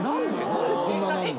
何でこんななんの？